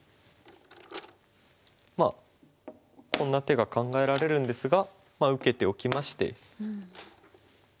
まあこんな手が考えられるんですが受けておきまして。